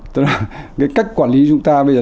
tức là cái cách quản lý chúng ta bây giờ